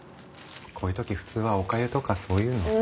こういう時普通はおかゆとかそういうのをさ。